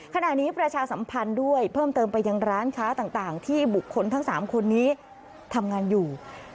ประชาสัมพันธ์ด้วยเพิ่มเติมไปยังร้านค้าต่างที่บุคคลทั้ง๓คนนี้ทำงานอยู่